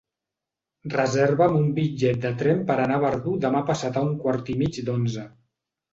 Reserva'm un bitllet de tren per anar a Verdú demà passat a un quart i mig d'onze.